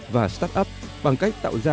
và start up bằng cách tạo ra